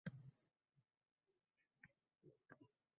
shamollash xastaliklari bilan kamroq og‘riydi.